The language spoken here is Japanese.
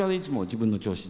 自分の調子？